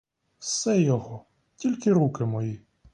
Все його, тільки руки мої.